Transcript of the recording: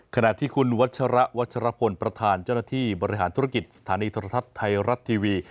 ขณะที่คุณวัชระวัชรพลประธานเจ้าหน้าที่บริหารธุรกิจสถานีโทรทัศน์ไทยรัฐทีวี